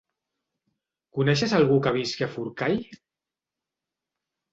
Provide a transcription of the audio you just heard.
Coneixes algú que visqui a Forcall?